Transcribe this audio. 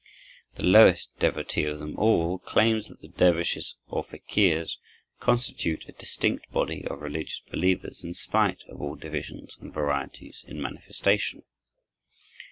The lowest devotee of them all claims that the dervishes or fakirs constitute a distinct body of religious believers in spite of all divisions and varieties in manifestation.